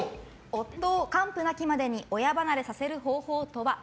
夫を完膚なきまでに親離れさせる方法とは。